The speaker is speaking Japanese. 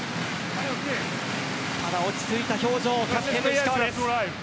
ただ、落ち着いた表情のキャプテン・石川です。